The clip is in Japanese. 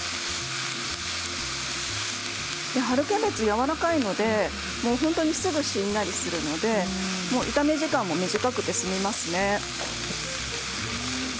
春キャベツはやわらかいので本当にすぐしんなりするので炒め時間も短くて済みますね。